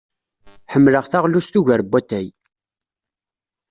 Ḥemmleɣ taɣlust ugar n watay.